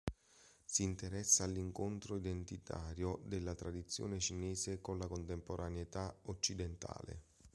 Si interessa all’incontro identitario della tradizione cinese con la contemporaneità occidentale.